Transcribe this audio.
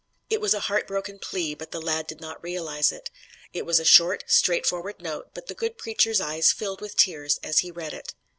It was a heartbroken plea, but the lad did not realize it. It was a short, straightforward note, but the good preacher's eyes filled with tears as he read it.